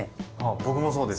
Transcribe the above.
僕もそうです。